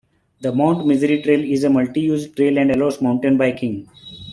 The Mount Misery Trail is a multi-use trail and allows mountain biking.